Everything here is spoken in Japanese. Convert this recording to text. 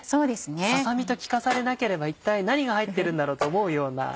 ささ身と聞かされなければ一体何が入っているんだろうと思うような。